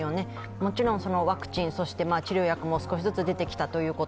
もちろん、ワクチン治療薬も少しずつ出てきたということ。